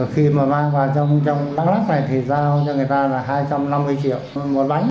khi mà mang vào trong đắk lắc này thì giao cho người ta là hai trăm năm mươi triệu một bánh